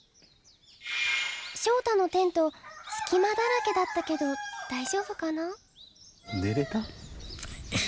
ショウタのテントすき間だらけだったけど大丈夫かな？